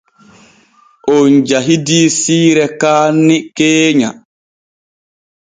On jahidii siire kaanni keenya.